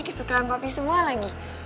kesukaran papi semua lagi